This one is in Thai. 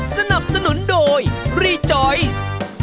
สนับสนุนโดยรีจอยซ์